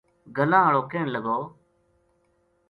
گلاں ہاڑو کہن لگو